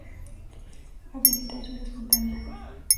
Habilidad lloro espontáneo